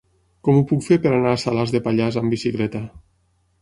Com ho puc fer per anar a Salàs de Pallars amb bicicleta?